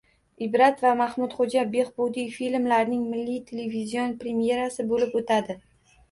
Ibrat va Mahmudxo‘ja Behbudiy filmlarining milliy televizion premerasi bo‘lib o‘tadi